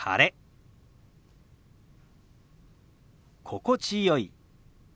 「心地よい」。